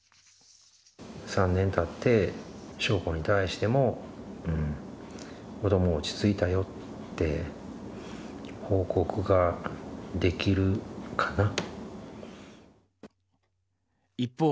３年たって、晶子に対しても子ども、落ち着いたよって、報告ができるかな。